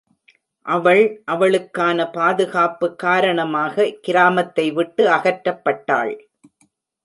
அவள் அவளுக்கான பாதுகாப்பு காரணமாக கிராமத்தை விட்டு அகற்றப்பட்டாள்.